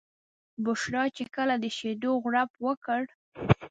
بشرا چې کله د شیدو غوړپ وکړ.